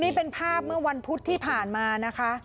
มีภาพเมื่อวันพุธที่ผ่านมานะคะ